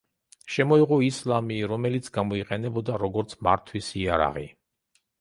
შემოიღო ისლამი, რომელიც გამოიყენებოდა, როგორც მართვის იარაღი.